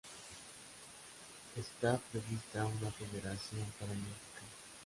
Está prevista una federación paralímpica.